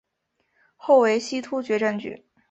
后为西突厥占据。